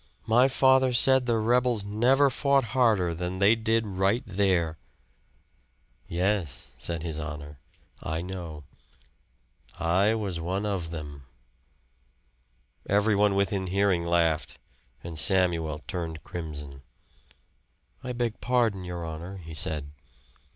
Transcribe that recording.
My father said the rebels never fought harder than they did right there." "Yes," said his honor, "I know. I was one of them." Everyone within hearing laughed; and Samuel turned crimson. "I beg pardon, your honor," he said.